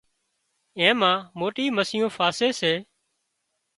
اين مان موٽي مسيون ڦاسي سي